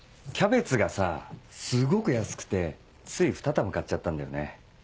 キャベツがさすごく安くてついふた玉買っちゃったんだよね。